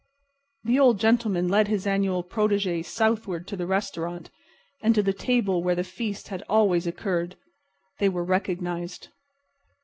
The Old Gentleman led his annual protégé southward to the restaurant, and to the table where the feast had always occurred. They were recognized.